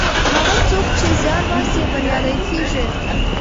هغه څوک چې زیار باسي بریالی کیږي.